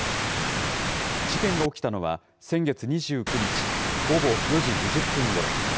事件が起きたのは先月２９日午後４時２０分ごろ。